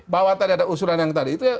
bahwa tadi ada usulan yang tadi itu